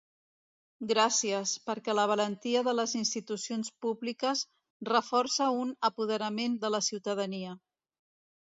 Gràcies, perquè la valentia de les institucions públiques reforça un apoderament de la ciutadania.